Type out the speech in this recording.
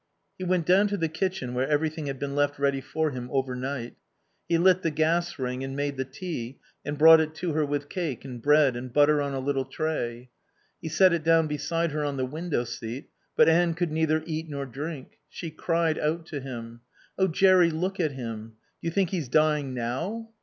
He went down to the kitchen where everything had been left ready for him over night. He lit the gas ring and made the tea and brought it to her with cake and bread and butter on a little tray. He set it down beside her on the window seat. But Anne could neither eat nor drink. She cried out to him. "Oh, Jerry, look at him. Do you think he's dying now?"